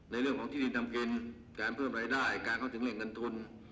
เรื่องของที่ดินทำกินการเพิ่มรายได้การเข้าถึงแหล่งเงินทุน